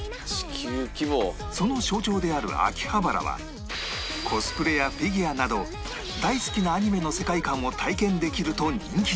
その象徴である秋葉原はコスプレやフィギュアなど大好きなアニメの世界観を体験できると人気に